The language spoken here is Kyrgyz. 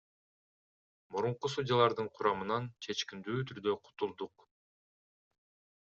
Мурунку судьялардын курамынан чечкиндүү түрдө кутулдук.